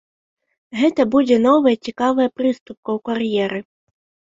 Гэта будзе новая цікавая прыступка ў кар'еры.